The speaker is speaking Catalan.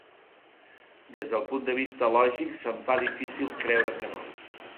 Des del punt de vista lògic, se’m fa difícil creure que no.